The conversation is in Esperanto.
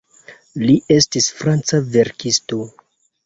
Li estis franca verkisto.